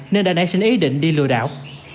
nên đã nãy sinh ý định đi lừa đảo